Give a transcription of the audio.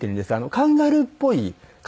カンガルーっぽい形。